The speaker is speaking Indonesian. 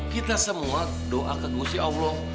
kita semua doa ke tuhan